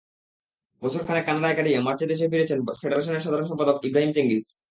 বছর খানেক কানাডায় কাটিয়ে মার্চে দেশে ফিরেছেন ফেডারেশনের সাধারণ সম্পাদক ইব্রাহিম চেঙ্গিস।